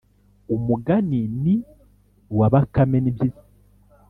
umugani wa bakame n’impyisi